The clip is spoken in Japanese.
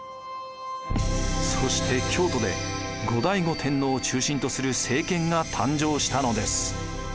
そして京都で後醍醐天皇を中心とする政権が誕生したのです。